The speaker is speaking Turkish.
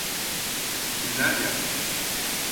Kimler gelmiş?